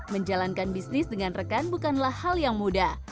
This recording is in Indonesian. menjalankan bisnis dengan rekan bukanlah hal yang mudah